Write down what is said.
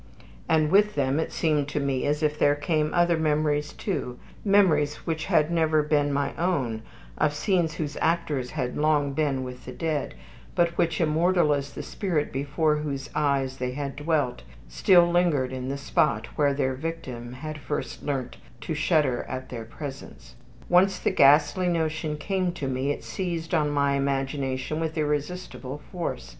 And with them it seemed to me as if there came other memories too, memories which had never been my own, of scenes whose actors had long been with the dead, but which, immortal as the spirit before whose eyes they had dwelt, still lingered in the spot where their victim had first learnt to shudder at their presence. Once the ghastly notion came to me, it seized on my imagination with irresistible force.